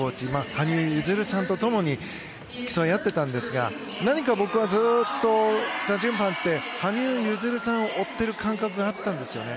羽生結弦さんとともに競い合っていたんですが何か僕はずっとチャ・ジュンファンって羽生結弦さんを追っている感覚があったんですよね。